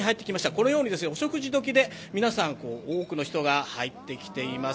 このようにお食事時で皆さん多くの人が入ってきて射ます。